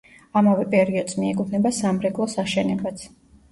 ამავე პერიოდს მიეკუთვნება სამრეკლოს აშენებაც.